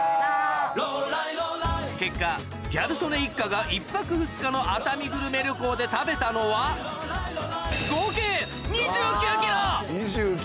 結果ギャル曽根一家が１泊２日の熱海グルメ旅行で食べたのは合計２９ｋｇ！